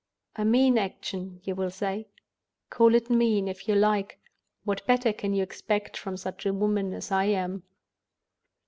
"A mean action, you will say? Call it mean, if you like. What better can you expect from such a woman as I am?